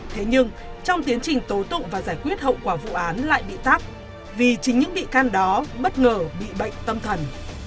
thế nhưng trong tiến trình tố tụng và giải quyết hậu quả vụ án lại bị tác vì chính những bị can đó bất ngờ bị bệnh tâm thần